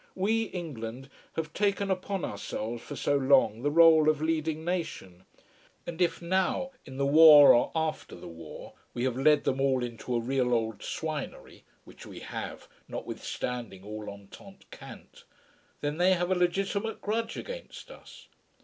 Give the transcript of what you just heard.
We, England, have taken upon ourselves for so long the rôle of leading nation. And if now, in the war or after the war, we have led them all into a real old swinery which we have, notwithstanding all Entente cant then they have a legitimate grudge against us.